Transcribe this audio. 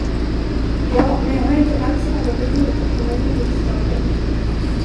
Ja, men jag har inte alls något emot att komma in i riksdagen.